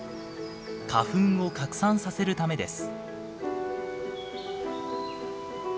花粉を拡散させるためです。